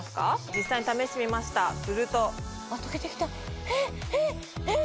実際に試してみましたするとあっ溶けてきたへっへっえっ？